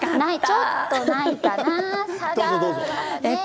ちょっと、ないかな。